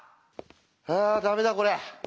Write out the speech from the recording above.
あダメだこれ。